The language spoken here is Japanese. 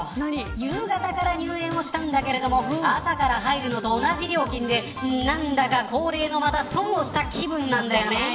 夕方から入園をしたんだけど朝から入るのと同じ料金で何だかまた恒例の損をした気分なんだよね。